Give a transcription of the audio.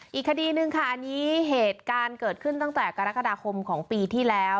อีกคดีหนึ่งค่ะอันนี้เหตุการณ์เกิดขึ้นตั้งแต่กรกฎาคมของปีที่แล้ว